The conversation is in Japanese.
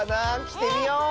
きてみよう！